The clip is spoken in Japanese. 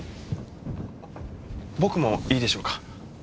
僕もいいでしょうか？